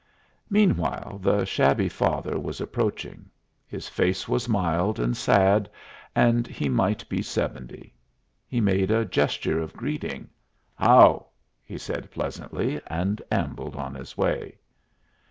Meanwhile the shabby father was approaching. His face was mild and sad, and he might be seventy. He made a gesture of greeting. "How!" he said, pleasantly, and ambled on his way.